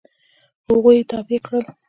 هغوی یې تابع کړل.